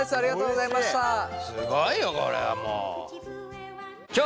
すごいよこれはもう。